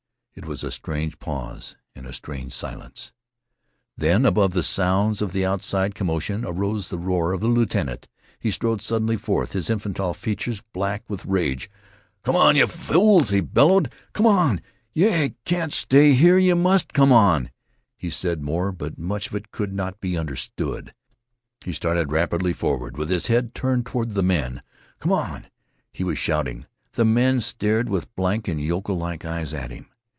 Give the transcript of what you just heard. It was a strange pause, and a strange silence. Then, above the sounds of the outside commotion, arose the roar of the lieutenant. He strode suddenly forth, his infantile features black with rage. "Come on, yeh fools!" he bellowed. "Come on! Yeh can't stay here. Yeh must come on." He said more, but much of it could not be understood. He started rapidly forward, with his head turned toward the men. "Come on," he was shouting. The men stared with blank and yokel like eyes at him.